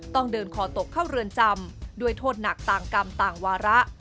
ต้องเดินคอตกเข้าเรือนจำด้วยโทษหนักต่างกรรมต่างวาระ